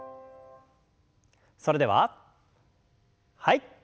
それでははい。